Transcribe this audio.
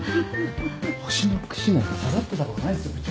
星の串なんて刺さってたことないっすよ部長。